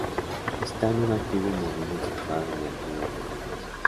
Está es un antiguo molino situado en el río Huebra.